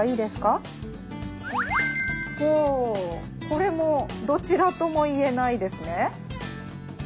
これもどちらとも言えないですね。